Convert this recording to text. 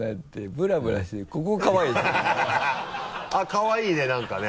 かわいいねなんかね。